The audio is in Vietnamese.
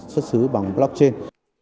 xuất sứ bằng blockchain